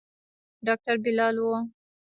ډاکتر بلال و.